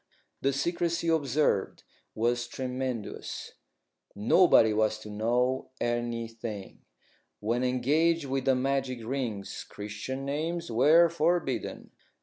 The secrecy observed was tremendous. Nobody was to know anything. When engaged with the magic rings, Christian names were forbidden.